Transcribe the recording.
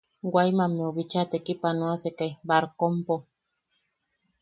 Guaymammeu bicha tekipanoasekai barkompo.